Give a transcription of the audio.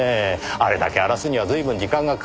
あれだけ荒らすには随分時間がかかったはずです。